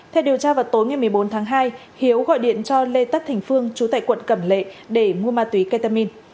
theo điều tra vào tối ngày một mươi bốn tháng hai hiếu gọi điện cho lê tất thành phương chú tại quận cẩm lệ để mua ma túy ketamin